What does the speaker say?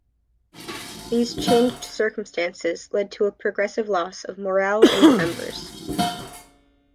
These changed circumstances led to a progressive loss of morale and members.